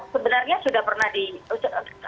sebenarnya sudah pernah